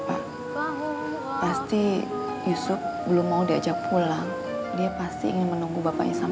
sampai jumpa di video selanjutnya